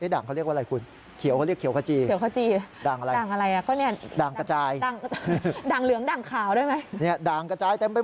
ด่างเขาเรียกว่าอะไรคุณเขียวเขาเรียกเขียวขจี